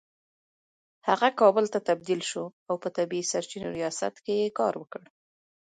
هغه کابل ته تبدیل شو او په طبیعي سرچینو ریاست کې يې کار وکړ